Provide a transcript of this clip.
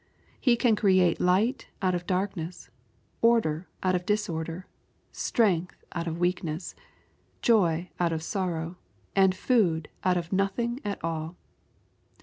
He can create light out of darkness, order out of disorder, strength out of weakness, joy out of sorrow, and food out of nothing at all.